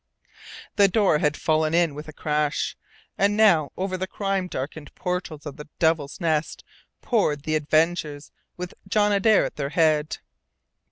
The door had fallen in with a crash, and now over the crime darkened portals of the Devil's Nest poured the avengers, with John Adare at their head.